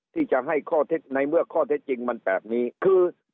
ที่จะให้ข้อเท็จจริงในเมื่อข้อเท็จจริงมันแบบนี้คือ